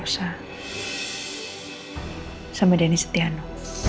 sama deni setiano